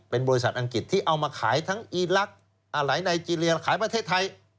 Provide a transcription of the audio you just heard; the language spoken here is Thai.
เป็นบริษัทอังกฤษที่เอามาขายทั้งอีลักษณ์หลายไนเจรียขายประเทศไทย